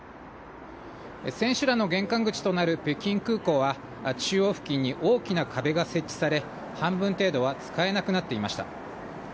選手らの玄関口となる北京空港は、中央付近に大きな壁が設置され、半分程度は使えなくなっていました。